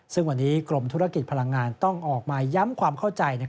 ซึ่งวันนี้กรมธุรกิจพลังงานต้องออกมาย้ำความเข้าใจ